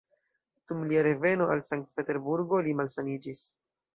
Dum lia reveno al Sankt-Peterburgo, li malsaniĝis.